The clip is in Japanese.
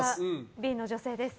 Ｂの女性です。